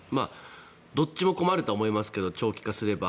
どっちも困るとは思いますけど、長期化すれば。